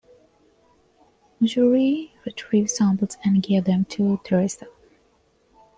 Mujari retrieved samples and gave them to Teresa.